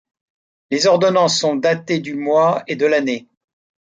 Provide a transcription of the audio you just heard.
Les ordonnances sont datées du mois et de l'année.